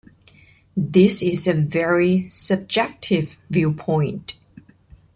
This is a very subjective viewpoint.